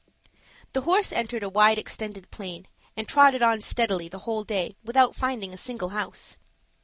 The horse entered a wide extended plain, and trotted on steadily the whole day without finding a single house.